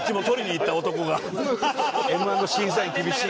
Ｍ−１の審査員厳しい。